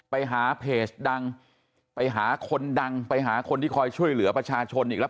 ไปหาเพจดังไปหาคนดังไปหาคนที่คอยช่วยเหลือประชาชนอีกแล้ว